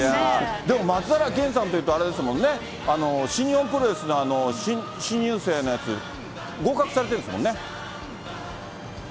でも松平健さんっていいますと、あれですもんね、新日本プロレスの新入生のやつ、合格されてるんですもんね。